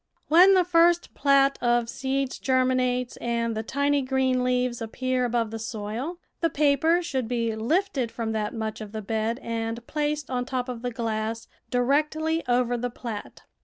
When the first plat of seeds germinates and the tiny green leaves appear above the soil, the paper should be lifted from that much of the bed and placed on top of the glass, directly over the plat.